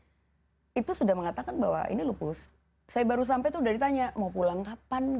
dan dokternya sudah mengatakan bahwa ini lupus saya baru sampai itu sudah ditanya mau pulang kapan